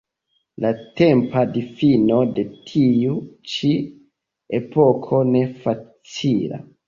La tempa difino de tiu-ĉi epoko ne facilas.